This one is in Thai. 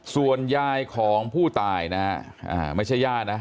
ส่วนยายของผู้ตายนะฮะไม่ใช่ย่านะ